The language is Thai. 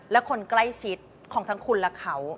และคนใกล้ชิดของทั้งคุณและเขา